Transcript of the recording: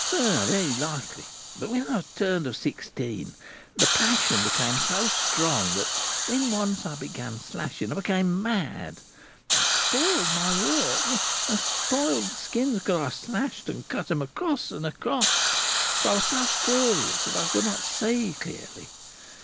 "Very likely; but when I was turned of sixteen, the passion became so strong that when I once began slashing, I became mad; I spoiled my work; yes, I spoiled the skins, because I slashed and cut them across and across; for I was so furious that I could not see clearly.